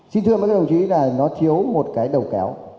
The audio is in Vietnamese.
xin thưa mấy các đồng chí là nó thiếu một cái đầu kéo